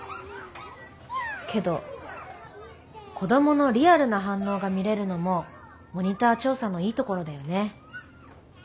けど子どものリアルな反応が見れるのもモニター調査のいいところだよね。